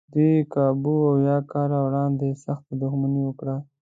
دوی کابو اویا کاله وړاندې سخته دښمني وکړه.